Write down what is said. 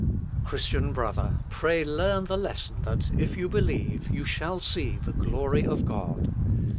Christian brother, pray, learn the lesson that, if you believe, you shall see the glory of God.